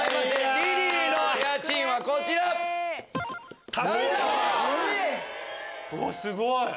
すごい！